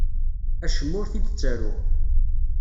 Acemma ur t-id-ttaruɣ.